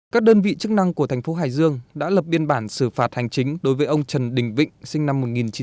các đơn vị chức năng của tp hải dương đã lập biên bản xử phạt hành chính đối với ông trần đình vịnh sinh năm một nghìn chín trăm bảy mươi bảy